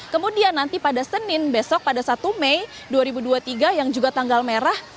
kemudian nanti pada senin besok pada satu mei dua ribu dua puluh tiga yang juga tanggal merah